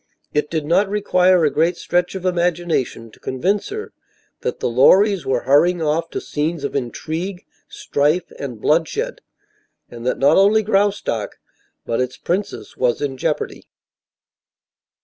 It did not require a great stretch of imagination to convince her that the Lorrys were hurrying off to scenes of intrigue, strife and bloodshed, and that not only Graustark but its princess was in jeopardy.